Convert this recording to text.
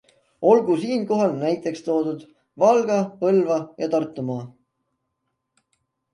Olgu siinkohal näiteks toodud Valga-, Põlva- ja Tartumaa.